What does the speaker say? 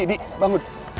andi di bangun